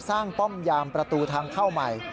ป้อมยามประตูทางเข้าใหม่